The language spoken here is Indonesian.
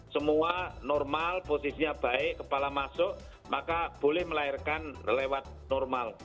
semua normal posisinya baik kepala masuk maka boleh melahirkan lewat normal